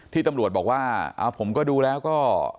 ตำรวจบอกว่าผมก็ดูแล้วก็